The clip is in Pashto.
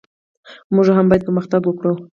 موږ هم باید پرمختګ وکړو.